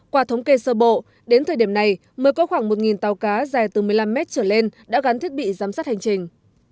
qua thống kê sơ bộ đến thời điểm này mới có khoảng một tàu cá dài từ một mươi năm mét trở lên đã gắn thiết bị giám sát hành trình